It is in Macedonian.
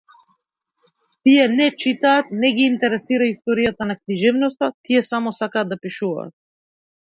Тие не читаат, не ги интересира историјата на книжевноста, тие само сакат да пишуваат.